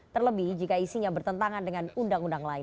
terlebih jika isinya bertentangan dengan undang undang lain